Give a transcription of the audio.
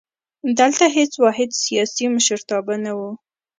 دلته هېڅ واحد سیاسي مشرتابه نه وو.